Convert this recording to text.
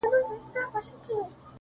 خدايه په دې شریر بازار کي رڼایي چیري ده~